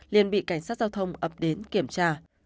liên bị cảnh sát giao thông ập đến kiểm tra